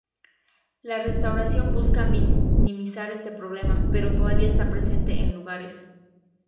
La restauración busca minimizar este problema, pero todavía está presente en lugares.